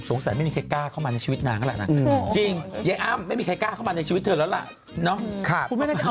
สงสัยไม่มีใครกล้าเข้ามาในชีวิตนางนั่นแหละนะ